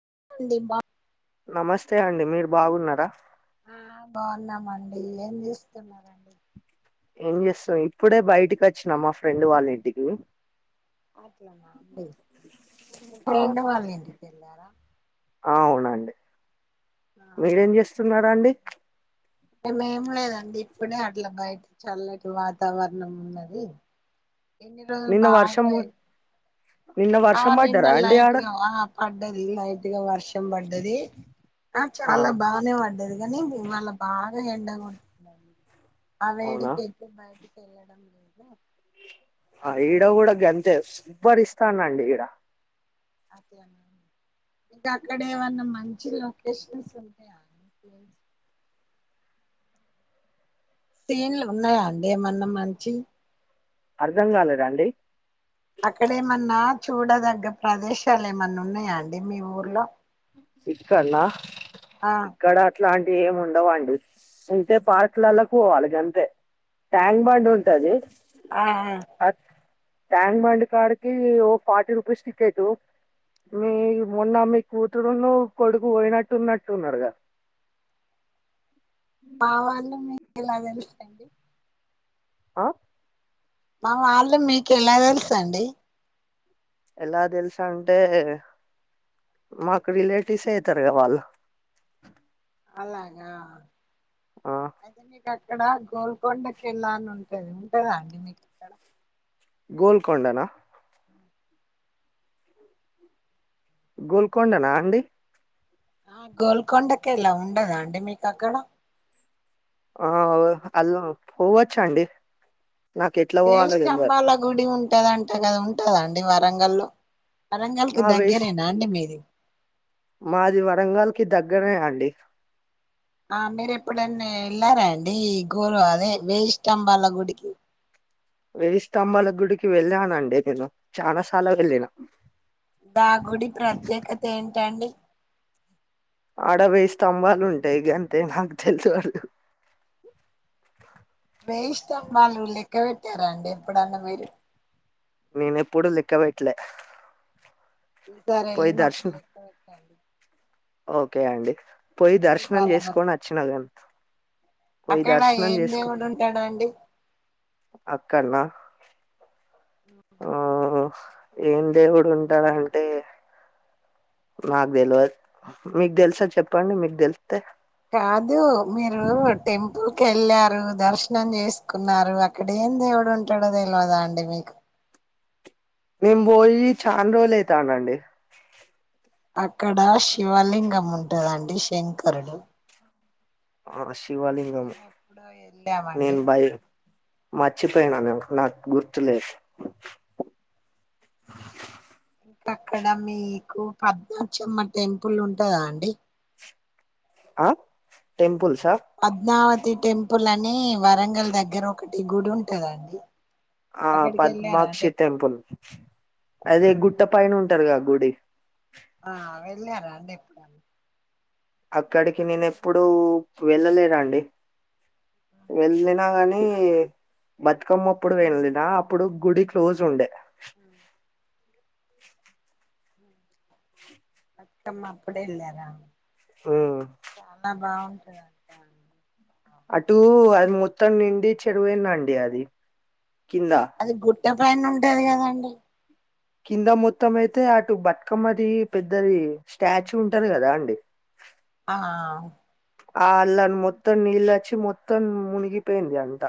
[unintelligible] నమస్తే అండి మీరు బాగున్నార ఆ బాగున్నామండి ఏం చేస్తున్నరండి ఏం చేస్తాం ఇప్పుడే బయటకి వచ్చినా మా ఫ్రెండ్ వాళ్ళ ఇంటికి అట్లనా అండి మీ ఆ ఫ్రెండ్ వాళ్ళ ఇంటికి వేళ్లారా ఆ అవునండి మీరేం చేస్తున్నార అండి మేము ఏం లేదండి ఇప్పుడే అట్ల బయట చల్లటి వాతావరణం ఉన్నది ఇన్ని రోజులు నిన్న బాగ వర్షం నిన్న ఆ వర్షం నిన్న పడ్డారా అండి ఆడ లైట్గ ఆ పడ్డది లైట్ గా వర్షం పడ్డది ఆ చాల బానే పడ్డది గానీ [unintelligible] ఎండ కొడుతుంది అండి ఆ అవునా వేడికి అయితే బయటికి వెళ్ళడం లేదు ఆ అయితే ఈడ గూడ దానికి గంతే సూపర్ ఇస్తానండి ఈడ అదే [inaudible] [unintelligible] అక్కడ ఏమన్నా మంచి లొకేషన్స్ ఉంటాయ [inaudible] సీన్లు ఉన్నాయ అండి ఏమన్నా మంచి అర్ధం కాలేదండి అక్కడేమన్నా చూడదగ్గ ప్రదేశాలు ఏమన్నా ఉన్నాయ అండి మీ ఊర్లో ఇక్కడ్న ఆ ఇట్లాంటివి ఏమి ఉండవండి ఉంటే పార్క్లలో పోవాలి గంతే ట్యాంగ్ బండ్ ఉంటాది ఆ ట్యాంక్ బండ్ కాడికి ఓ ఫార్టీ రూపీస్ టిక్కెట్టు మీ మొన్న మి కూతురును కొడుకు పోయినట్టు నట్టు ఉన్నాడుగ మా వాళ్ళు మీకు ఎల తెలుసండి ఆ మా వాళ్ళు మీకు ఎల తెలుసండి ఎలా తెల్స్ అంటే మాకు రిలేటివ్స్ అయీతారుగా వాళ్ళు అలాగ ఆ మీకు అక్కడ గోల్కొండకి వెళ్ళాలి అని ఉంటాది ఉంటదా అండి మీకు అక్కడ గోల్కండనా గోల్కండనా అండి గోల్కొండక కిలా ఉండదా అండి మీకు అక్కడ ఆ అవే హలో పోవచ్చండి వేయి స్టంభాల గుడి ఉంటదంటడి. టే గది ఉంటదా అండి వరంగల్లో వరంగల్కి ఆ వేయి దగ్గరేనా అండి మీది. మాది వరంగల్కి దగ్గరే అండి ఆ మీరు ఎప్పుడన్న వెళ్లారాండి ఈ గోరు అదే వేయిష్టంబాల గుడికి వెేయి స్టంభాల గుడికి వెళ్ళానండి నేను చాలా సాలా వెళ్ళిన గా గుడి ప్రత్యేకత ఏంటండి ఆడవేయి స్తంభాలు ఉంటాయి గంతే నాకు తెలవదు అ వేయి ష్టంబాలు లెక్క పెట్టారా అండి ఎప్పుడన్న మీరు నేనెప్పుడు లెక్క పెట్లే ఈ సారి వెళ్ళినప్పుడు లెక్క పెట్టండి ఓకే అండి పోయి వేయి దర్శనం బరాబర్ చేసుకొని వచ్చినా కని అక్కడ ఏం దేవుడు ఉంటడండి ఒ ఏం దేవుడు ఉంటడంటే నాకు తెలివద్ మీకు తెలుసా చెప్పండి మీకు తెలుసు కాదు మీరు టెంపుల్ కెళ్ళా రూ దర్శనం చేసుకున్నారు అక్కడ ఏం దేవుడు ఉంటాడో తెలివదా అండి మీకు మేము బోయి చాన్ రోజులు అయితాందండి అక్కడ శివలింగం ఉంటందండి శంకరుడు ఆ శివలింగము మేము ఎప్పుడో వెళ్ళామండి నేను భయ్ మర్చిపోయినా నేన్ నాకు గుర్తులేదు ఇ అక్కడ మీకు పద్మాక్షమ్మ టెంపుల్ ఉంటందా అండి అ టెంపుల్ పద్మావతి టెంపుల్ అని వరంగల్ దగ్గర ఒకటి గుడి ఉంటదండి ఆ అక్కడికి వెళ్ళారా అండి పద్మాక్షి ఎప్పుడన్నా టెంపుల్ ఆ అదే గుట్ట పైన ఉ టరుగా గుడి ఆ వెళ్ళారా అండి ఎప్పుడన అక్కడికి నేను ఎప్పుడు వెళ్ళలేనండి వెళ్ళిన కానీ నీ బతుకమ్మప్పుడు వెళ్లిన అప్పుడు గుడి క్లోజ్ ఉండే ఆ ఊ బత్కమ్మ అప్పుడెళ్ళారా ఉమ్ చాలా బాగుంటుందంట అటు అది మొత్తం నిండి చెరువైందండి అది కింద ఇగ పైన ఉంటది కదండి కింద మొత్తం అయితే అటు బట్కమ్మది పెద్దది స్టాచ్యూ ఉంటది కదా అండి ఆ ఆల్లాన్ మొత్తం నీళ్ళచ్చి మొత్తం మునిగిపోయింది అంట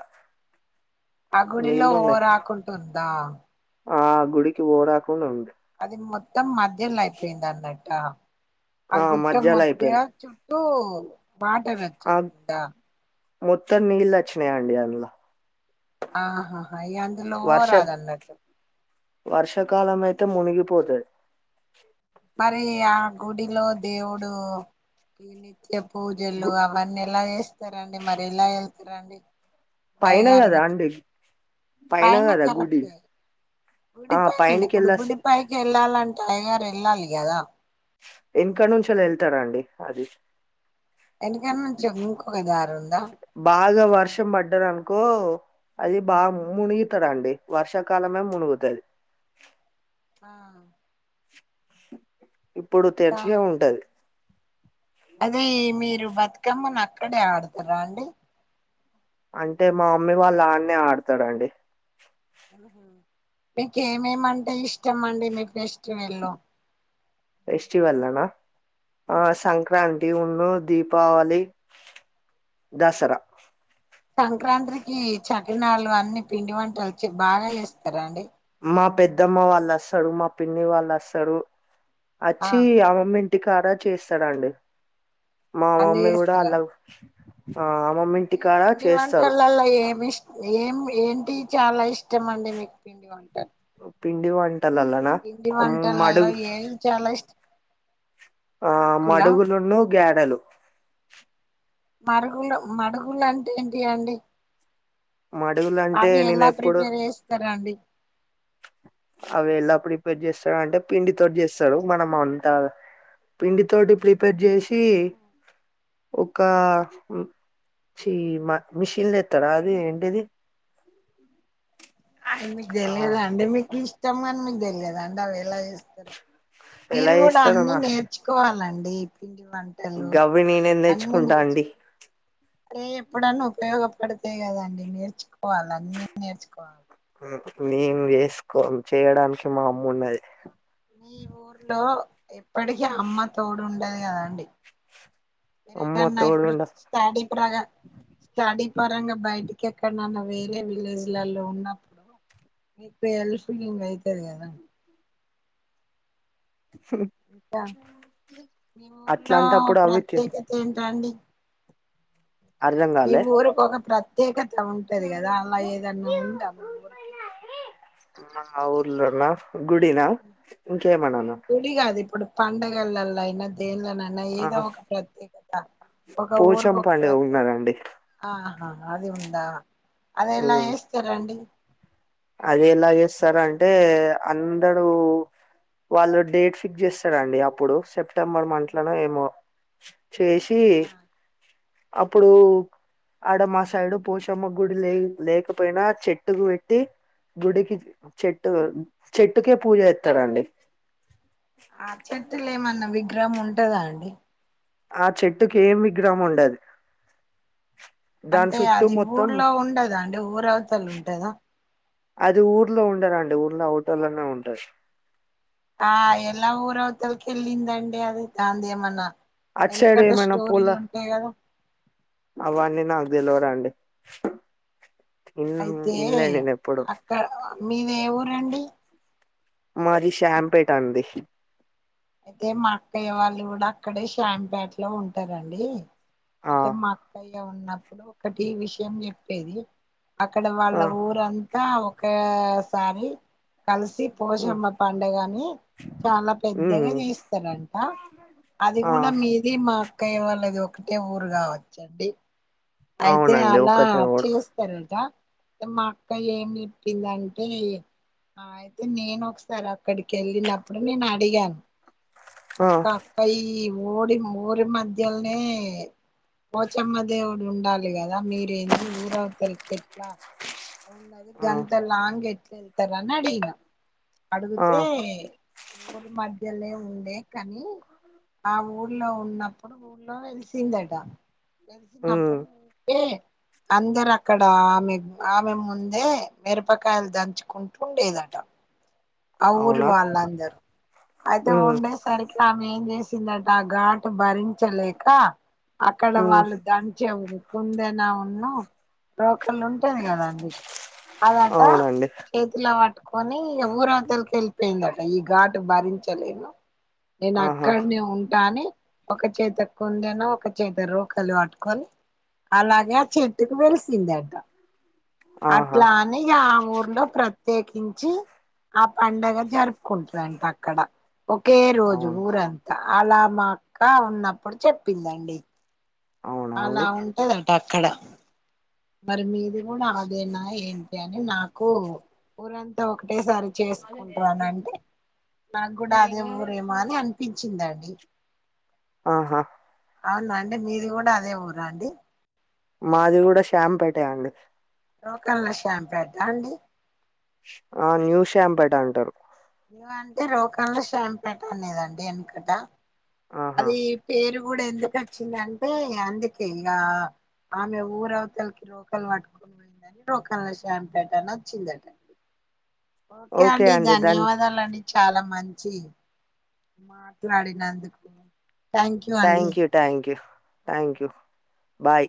అ గుడిలో ఓరాకుంటుందా ఆ గుడికి ఓరాకుండ ఉంది అది మొత్తం మధ్యలో అయిపోయింది అన్నట్ట ఆ గుట్ట మధ్యలో మధ్య అయిపోయింది చుట్ట టు వాటర్ ఆ వచ్చేసిందా మొత్తం నీళ్ళు వచ్చినయి అండి అందులో ఆహాహా ఈ అందులో వర్ష రాదన్నట్టు వర్షాకాలం అయితే మునిగిపోతది మరి ఆ గుడిలో దేవుడుకి ఇట్లా పూజలు గు అవన్నీ ఎలా చేస్తారండి మరి ఎలా వెళ్తారండి పైన పైగా కదా ఆరగిచ్చి అండి పైన కదా గుడి కరక్టే ఆ గుడిపైననే పైనకి ఇప్పుడు వెళ్ళ గుడిపైకి వెళ్ళాలంటే అయ్యగారు వెళ్ళాలి కదా వెనుక నుంచి వెళ్తారూ అండి అది వెనుక నుంచి ఇంకొక దారి ఉందా బాగా వర్షం పడ్డది అనుకో అది బాగా మునుగుతదండి వర్షాకాలమే మునుగుతది ఆ ఇప్పుడు ఇంకా తెరిచే ఉంటది అదే మీరు బతుకమ్మని అక్కడే ఆడుతారా అండి అంటే మా మమ్మీ వాళ్ళు అన్నే ఆడతారండి ఉహు మీకు ఏమేమంటే ఇష్టం అండి మీకు ఫెస్టివల్లో ఫెస్టివల్లోనా ఆ సంక్రాంతి తి ఉను దీపావళి, దసరా సంక్రాంత్రికి చకినాళ్ళు అన్ని పిండి వంటలు బాగా చేస్తారా అండి మా పెద్దమ్మ వాళ్ళు వస్తారు మా పిన్ని వాళ్ళు వస్తారు ఆ వచ్చి [unintelligible] ఇంటి కడా చేస్తారండి మా అన్ని మమ్మీ కూడా చేస్తారా అలా ఆ అమ్మమ్మ ఈ ఇంటికాడ పిండి చేస్తారు వంటలలో ఏమి ఇష్ట ఏం ఏంటి చాలా ఇష్టమండి మీకు పిండి వంటాలు పిండి వంటలలోనా కొమ్ మడుగు ఏవి చాలా ఇష్టం ఆ మురుకులా మడుగులును గారెలు మరుగులు మడుగులు అంటే ఏంటి అండి మడుగులు అంటే అవి నేను ఎలా ఎప్పుడు ప్రిపేర్ చేస్తారు అండి అవి ఎలా ప్రిపేర్ చేస్తారు అంటే పిండి తోటి చేస్తారు మనం అంతా పిండి తోటి ప్రిపేర్ చేసి ఒక చీ మిషిన్లులో ఎత్తారా ఆది ఏది ఆయనాకు ఆ తెలియద అండి మీకు ఇష్టంమని మీకు తెలియదా ఎలా మీరు కూడా చేస్తాడో అన్ని నేర్చుకోవాలండి వంటలు గవి నేనే నేర్చుకుంటా అండి అరే ఎప్పుడన్నా ఉపయోగపడితయి కదండి నేర్చుకోవాలి అన్ని నేర్చుకోవాలి నేను చేసుకోను చేయడానికి మా అమ్మ ఉన్నది మీ ఊర్లో ఇప్పటికీ అమ్మ తోడు ఉంటది కదండి అమ్మ [inaudible] ఇప్పుడు తోడుండ స్టడీ ప్ర స్టడీ పరంగా బయటకి ఇంక ఎక్కడన్న వేరే విలేజ్లలో ఉన్నప్పుడు మీకు హెల్ప్ పుల్ అయితది కదా ఇంకా మీ ఊర్లో అట్లాంటప్పుడు అవి ప్రత్యేకత ఏంటండి అర్థం ఈ కాలే ఊరుకి ఒక ప్రత్యేకత ఉంటది కదా అలా ఏదన్నా ఉందా మీ ఊరికి మీ ఆ ఆ ఊర్లోన గుడినా ఇంకేమన్నానా గుడి గాదు ఇప్పుడు పండగలలేయినా దేంట్లనన్న ఆ ఏదో ఒక ప్రత్యేకత ఒక పోచం ఊరిక్ ఒక పండుగ ప్రత్యేక ఉన్నదండి ఆహా హాహా అది ఉందా అది ఎన్న చేస్తారండి అది ఎలా జేస్తారంటే అందరూ వాళ్లు డేట్ ఫిక్స్ జేస్తారండి అప్పుడు సెప్ సెప్టెంబర్ మంత్లనో ఏమో చేసి ఆ అప్పుడు ఆడ మా సైడు పోశమ్మ గుడి లే లేకపోయినా చెట్టుకి వెట్టి గుడికి చెట్టు చెట్టుకే పూజ జేస్తారండి ఆ చెట్టుల ఏమన్నా విగ్రహం ఉంటందా అండి ఆ చెట్టు కేమ్ విగ్రహం ఉండది అంటే అది ఊర్లో ఉండదండి ఊరు అవతల ఉంటందా అది ఊర్లో ఉండరాండి ఊర్లో ఓటల లోనే ఉంటంది ఆ ఎలా ఊరవతలకేలిందండి అది దంధి ఏమన్నా అట్ సైడ్ వెనకట ఏమన్నా పోల స్టోరీలు ఉంటాయి కదా అవన్నీ నాక్ దేలవదండి ఏ అయితే అక్కడ మీది ఏ ఊరండి మాది సంపేట అండి అయితే మా అక్కయ్య వాళ్లు గూడ అక్కడే శ్యాంపేటలో ఉంటారండి ఆ అయితే మా అక్కయ్య ఉన్నప్పుడు ఒకటి విషయం జేప్పేది అక్కడ ఆ వాళ్ల ఊరంతా ఒక్కసారి కలిసి పోశమ్మ పండుగని చాలా పెద్ ఉమ్ పెద్దగా ఉమ్, జేస్తారంట అది ఆ గూడ మీది మా అక్కయ్య వాళ్లది ఒకటే ఊరు కావచ్చండి. అయితే అవునండి అలా ఒకటే కూడా చేస్తారట ఇగ మా అక్క ఏం జేప్పిందంటే ఆ అయితే నేను ఒక్కసారి అక్కడికి వెళ్లినప్పుడు నేను అడిగాను ఆ అక్క అక్కా ఈ మోడీ మోరి మధ్యలనే పోచమ్మ దేవు వుడు ఉండాలి గదా మీరేంది ఊరవతలకెట్లా అవున్నది ఆ గంత లాంగ్ ఎట్లా వెళ్తారని అడిగినా ఆ అడుగుతే ఊరి మధ్యలనే ఉండే కాని ఆ ఊరు ఊళ్లో ఉన్నప్పుడు ఊళ్లో వెలిసిందట వెలిసినప్పుడు ఉమ్ ఏ అందరు అక్కడ ఆమె ఆమే ముందే మిరపకాయలు దంచుకుంటు ఉండేదట ఆ ఊరి అవునా వాళ్లందరూ అయితే ఉమ్ ఉండేసరికి ఆమె ఏం జేసిందట ఘాటు భరించలేక అక్కడ ఉమ్ వాళ్లు దంచే వుకుందనావును రోకలి ఉంటాది గదా అండి ఆదాట అవునండి చేతిల వట్టుకొని ఇగ ఊర్వత్ వెళ్ళిపోయిందట ఈ ఘాటు భరించలేను నేను ఆహా అక్కడనే ఉంటా అని ఒక చేత కుందేను ఒక చేత రోకాలు వాట్టుకొని అలాగే ఆ చెట్టుకు వెలిసిందట ఆహా అట్లా అని ఇగ ఆ ఊర్లో ప్రత్యేకించి ఆ పండగ జరుపుకుంటారంట అక్కడ ఒకే రోజు అవును ఊరంతా. అలా మా అక్క ఉన్నప్పుడు చెప్పిందండి అవునా అలా అండి ఉంటదంట అక్కడ మరి మీది కూడా అదేనా ఏంటి అని నాకు ఊరంతా ఒక ఒకేసారి చేసుకుంటాన అంటే నాకు కూడా అదే ఊరేమో అని అనిపించిందండి ఆహా అవున అండి మీది కూడా అదే ఊరా అండి మాది కూడా షామ్ పెటే అండి రోకన్ల షాంప పెద్దా అండి [unintelligible] ఆ న్యూ శ్యామ్ పేట అంటారు అంటే రోకంలో షాపేట అనేదండి వెనుకట ఆహా అది పేరు కూడా ఎందుకు వచ్చిందంటే అందుకే ఇగ ఆమె ఊర అవతలకి రోకలు పట్టుకని పోయిందని రోకల శాంపేట వచ్చిందట ఓకే అండి ధన్య వాదాలండి చాలా మంచి మాట్లాడినందుకు thank you thank you thank you bye